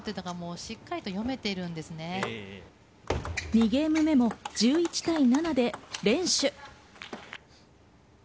２ゲーム目も１１対７で連取。